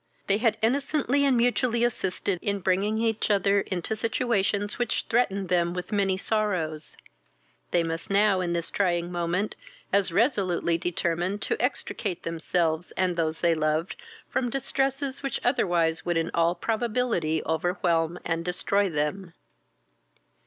They had innocently and mutually assisted in bringing each other into situations which threatened them with many sorrows; they must now in this trying moment as resolutely determine to extricate themselves, and those they loved, from distresses which otherwise would in all probability overwhelm and destroy them.